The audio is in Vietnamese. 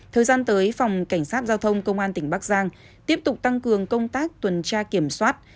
thời gian tới phòng cảnh sát giao thông công an tỉnh bắc giang tiếp tục tăng cường công tác tuần tra kiểm soát